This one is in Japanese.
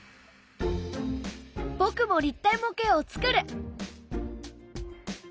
僕も立体模型を作る！